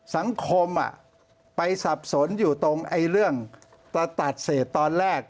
สังคมไปสับสนอยู่ตรงเรื่องตัดเศษตอนแรก